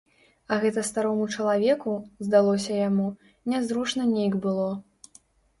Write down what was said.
А гэта старому чалавеку, здалося яму, нязручна нейк было.